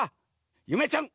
ゆめちゃん